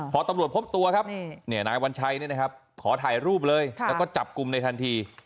พอตำรวจพบตัวครับนายวัญชัยขอถ่ายรูปเลยแล้วก็จับกลุ่มในทันที